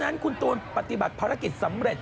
นั้นคุณตูนปฏิบัติภารกิจสำเร็จ